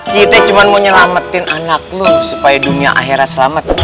kita cuma mau nyelamatin anak lu supaya dunia akhirnya selamat